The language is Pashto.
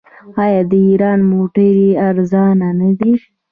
آیا د ایران موټرې ارزانه نه دي؟